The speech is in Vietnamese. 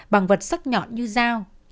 bằng vật sắc nhọn như dao